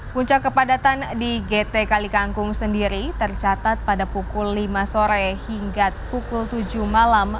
puncak kepadatan di gt kali kangkung sendiri tercatat pada pukul lima sore hingga pukul tujuh malam